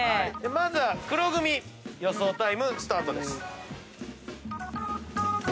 まずは黒組予想タイムスタートです。